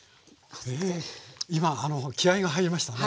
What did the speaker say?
今気合いが入りましたね。